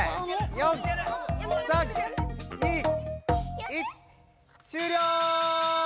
４３２１終了！